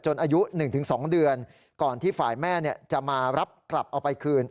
อายุ๑๒เดือนก่อนที่ฝ่ายแม่จะมารับกลับเอาไปคืน